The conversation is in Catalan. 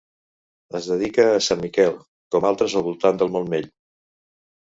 És dedicada a sant Miquel, com altres al voltant del Montmell.